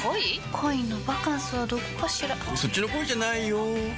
恋のバカンスはどこかしらそっちの恋じゃないよ